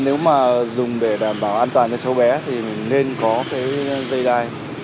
nếu mà dùng để đảm bảo an toàn cho cháu bé thì mình nên có cái dây đai